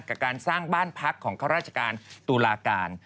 กับการสร้างบ้านพักของข้าราชการตุลาการ